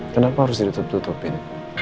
kenapa harus ditutup tutupin